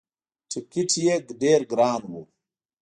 ټکت یې ډېر ګران وو.